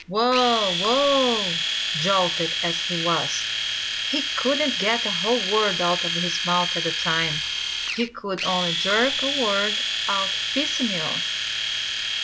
"Wh wh whoa! Wh wh whoa!" Jolted as he was, he couldn't get a whole word out of his mouth at a time. He could only jerk a word out piecemeal.